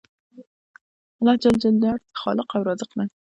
الله ج د هر څه خالق او رازق دی